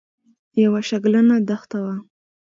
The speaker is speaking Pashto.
یوه شګلنه دښته وه.